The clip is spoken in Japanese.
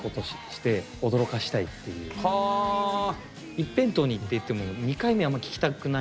一辺倒にいっていっても２回目あんま聴きたくないんですよ